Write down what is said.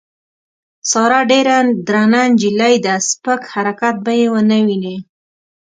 ساره ډېره درنه نجیلۍ ده سپک حرکت به یې ونه وینې.